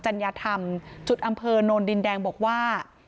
จัญญาธรรมจุดอำเภอโนนดินแดงบอกว่า